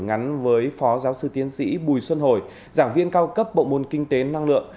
ngắn với phó giáo sư tiến sĩ bùi xuân hồi giảng viên cao cấp bộ môn kinh tế năng lượng